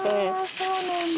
そうなんだ。